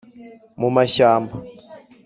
mu mashyamba,